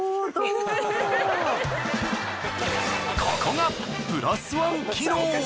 ここが。